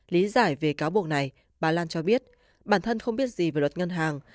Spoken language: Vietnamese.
lý giải về cáo buộc này bà lan cho biết bản thân không biết gì về luật ngân hàng